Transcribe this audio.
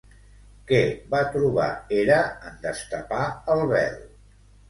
Què va trobar Hera en destapar el vel?